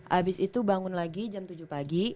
habis itu bangun lagi jam tujuh pagi